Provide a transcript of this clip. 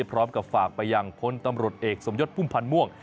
พร้อมกับฝากไปยังพลตำรวจเอกสมยศพุ่มพันธ์ม่วง